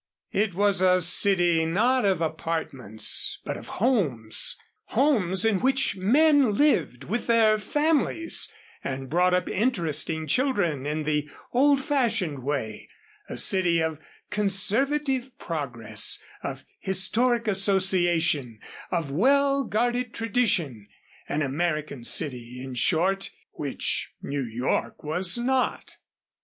It was a city not of apartments, but of homes homes in which men lived with their families and brought up interesting children in the old fashioned way a city of conservative progress, of historic association, of well guarded tradition an American city, in short which New York was not.